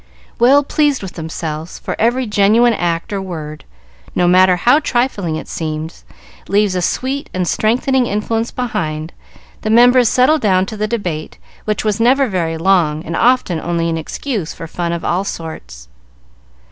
Well pleased with themselves for every genuine act or word, no matter how trifling it seems, leaves a sweet and strengthening influence behind the members settled down to the debate, which was never very long, and often only an excuse for fun of all sorts.